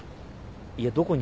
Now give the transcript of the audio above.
いやどこに？